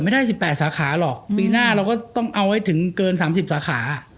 ไม่ได้๑๘สาขาหรอกปีหน้าเราก็ต้องเอาไว้ถึงเกิน๓๐สาขา